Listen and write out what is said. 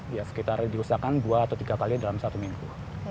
ya sekitar diusahakan dua atau tiga kali dalam satu minggu